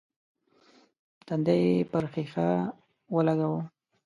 تندی يې پر ښيښه ولګاوه.